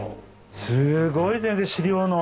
すごい先生資料の。